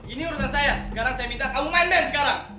ini urusan saya sekarang saya minta kamu mainten sekarang